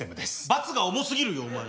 罰が重すぎるよお前。